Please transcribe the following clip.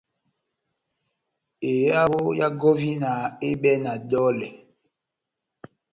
Ehavo ya gɔvina ehibɛwɛ na dɔlɛ.